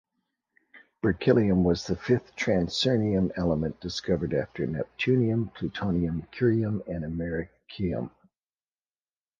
Berkelium was the fifth transuranium element discovered after neptunium, plutonium, curium and americium.